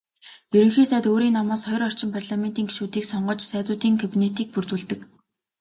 Ерөнхий сайд өөрийн намаас хорь орчим парламентын гишүүнийг сонгож "Сайдуудын кабинет"-ийг бүрдүүлдэг.